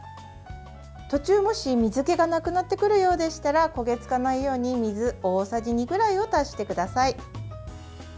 途中、もし水けがなくなってくるようでしたら焦げ付かないように水、大さじ２ぐらいを足してください。